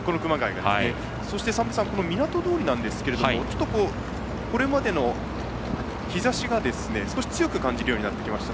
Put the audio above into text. そして、みなと通なんですがこれまでの日ざしが少し強く感じるようになってきました。